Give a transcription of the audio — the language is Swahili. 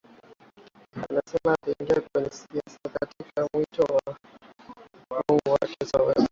anasema aliingia kwenye siasa kuitikia mwito wa Mungu wake Chakwera mwenye umri wa miaka